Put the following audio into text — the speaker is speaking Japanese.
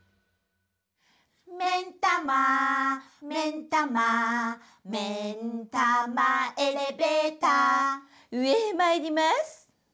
「めんたまめんたま」「めんたまエレベーター」うえへまいりまーす。